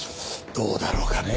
どうだろうかね。